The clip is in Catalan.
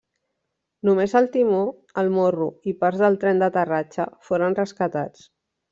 Només el timó, el morro, i parts del tren d'aterratge foren rescatats.